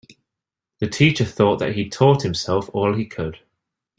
The teacher thought that he'd taught himself all he could.